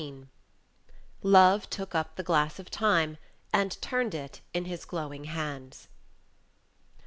"LOVE TOOK UP THE GLASS OF TIME AND TURNED IT IN HIS GLOWING HANDS."